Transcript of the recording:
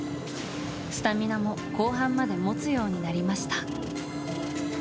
スタミナも後半まで持つようになりました。